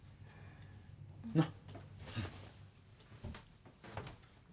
なっ！